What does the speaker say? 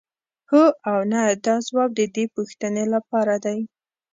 هو او نه دا ځواب د دې پوښتنې لپاره دی.